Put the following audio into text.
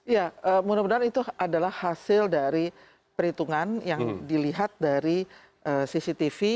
ya mudah mudahan itu adalah hasil dari perhitungan yang dilihat dari cctv